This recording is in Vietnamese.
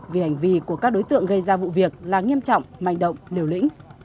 vì hành vi của các đối tượng gây ra vụ việc là nghiêm trọng manh động liều lĩnh